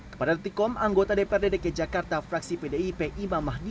kepada retikom anggota dprd dki jakarta fraksi pdip imam mahdi